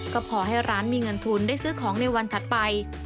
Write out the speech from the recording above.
ก็พอให้ร้านมีเงินทุนได้ซื้อของในวันถัดไป